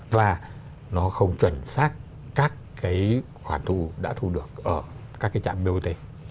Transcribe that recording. và nó không chuẩn xác các cái khoản thu đã thu được ở các cái trạm bot